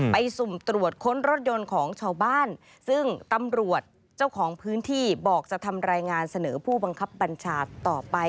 สุ่มตรวจค้นรถยนต์ของชาวบ้านซึ่งตำรวจเจ้าของพื้นที่บอกจะทำรายงานเสนอผู้บังคับบัญชาต่อไป